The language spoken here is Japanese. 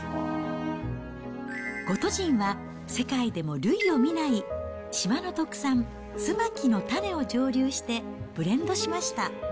ゴトジンは世界でも類を見ない島の特産、ツバキの種を蒸留してブレンドしました。